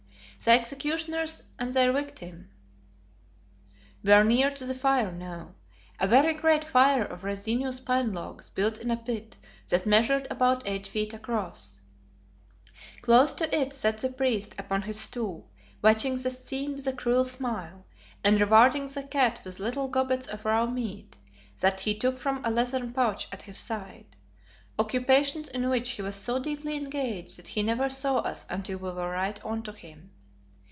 The executioners and their victim were near the fire now a very great fire of resinous pine logs built in a pit that measured about eight feet across. Close to it sat the priest upon his stool, watching the scene with a cruel smile, and rewarding the cat with little gobbets of raw meat, that he took from a leathern pouch at his side, occupations in which he was so deeply engaged that he never saw us until we were right on to him.